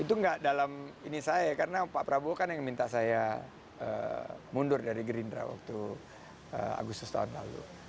itu nggak dalam ini saya karena pak prabowo kan yang minta saya mundur dari gerindra waktu agustus tahun lalu